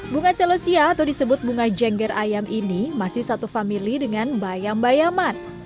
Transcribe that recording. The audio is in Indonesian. bunga celosia atau disebut bunga jengger ayam ini masih satu famili dengan bayam bayaman